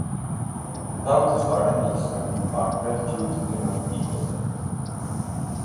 Thy bounties are endless and our gratitude cannot equal them.